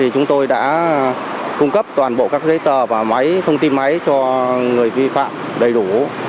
chúng tôi đã cung cấp toàn bộ các giấy tờ và máy thông tin máy cho người vi phạm đầy đủ